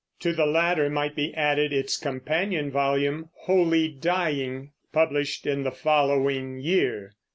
To the latter might be added its companion volume, Holy Dying, published in the following year.